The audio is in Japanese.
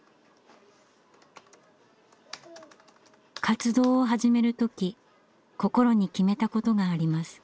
活動を始める時心に決めたことがあります。